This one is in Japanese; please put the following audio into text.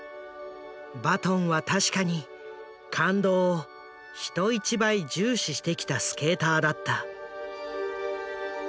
バトンは確かに「感動」を人一倍重視してきたスケーターだった。